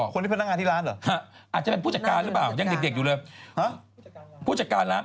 คุณที่ผู้จักรร้านหรือเปล่า